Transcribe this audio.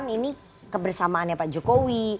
ini kebersamaan ya pak jokowi